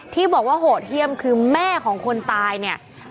ที่บอกว่าโหดเยี่ยมคือแม่ของคนตายเนี่ย